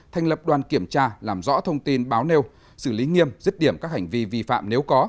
thành lập đoàn kiểm tra làm rõ thông tin báo nêu xử lý nghiêm dứt điểm các hành vi vi phạm nếu có